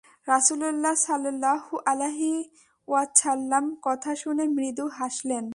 রাসূলুল্লাহ সাল্লাল্লাহু আলাইহি ওয়াসাল্লাম কথা শুনে মৃদু হাসলেন।